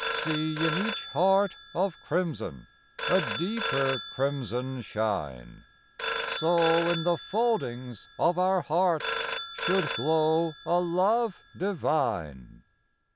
See in each heart of crimson A deeper crimson shine : So in the foldings of our hearts Should glo\v a love divine.